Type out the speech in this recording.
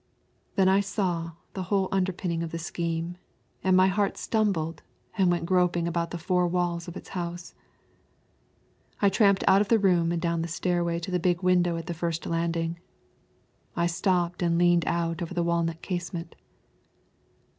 Then I saw the whole underpinning of the scheme, and my heart stumbled and went groping about the four walls of its house. I tramped out of the room and down the stairway to the big window at the first landing. I stopped and leaned out over the walnut casement.